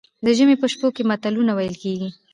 د ژمي په شپو کې متلونه ویل کیږي.